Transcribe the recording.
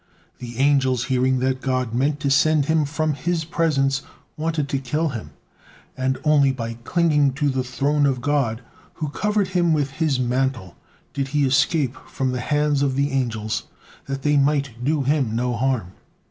The angels, hearing that God meant to send him from His presence, wanted to kill him, and only by clinging to the Throne of God, who covered him with His mantle, did he escape from the hands of the angels, that they might do him no harm.